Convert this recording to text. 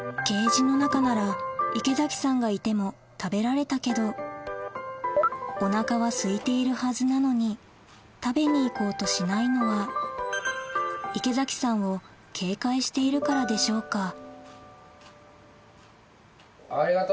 ケージの中なら池崎さんがいても食べられたけどお腹はすいているはずなのに食べに行こうとしないのは池崎さんを警戒しているからでしょうか？